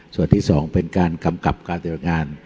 ส่วนที่๒เป็นการกำกับการจัดงาน